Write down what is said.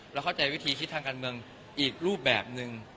เราเข้าใจวิธีคิดทางการเมืองอีกรูปแบบหนึ่ง